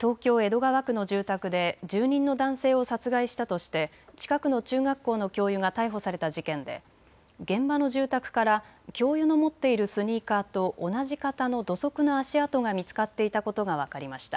東京江戸川区の住宅で住人の男性を殺害したとして近くの中学校の教諭が逮捕された事件で現場の住宅から教諭の持っているスニーカーと同じ型の土足の足跡が見つかっていたことが分かりました。